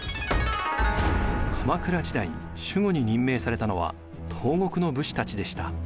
鎌倉時代守護に任命されたのは東国の武士たちでした。